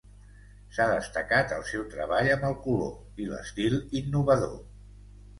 S'ha destacat el seu treball amb el color i l'estil innovador.